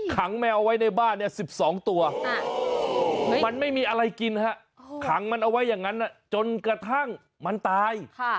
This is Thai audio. แมวไว้ในบ้าน๑๒ตัวมันไม่มีอะไรกินฮะขังมันเอาไว้อย่างนั้นจนกระทั่งมันตาย